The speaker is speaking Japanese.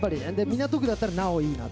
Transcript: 港区だったら、なおいいなと。